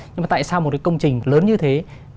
nhưng mà tại sao một cái công trình lớn như thế